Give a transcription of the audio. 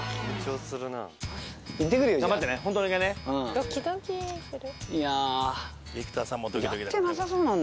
ドキドキする。